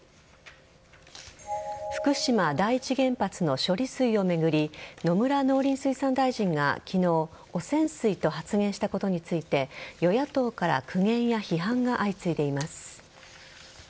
福島第一原発の処理水を巡り野村農林水産大臣が昨日汚染水と発言したことについて与野党から苦言や批判が相次いでいます。